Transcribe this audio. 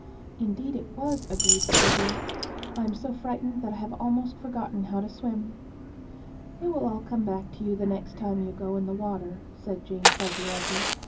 "Indeed it was," agreed Susie. "I'm so frightened that I have almost forgotten how to swim." "It will all come back to you the next time you go in the water," said Jane Fuzzy Wuzzy.